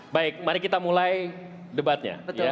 baik mari kita mulai debatnya